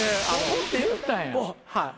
「ポッ！」って言ったんや。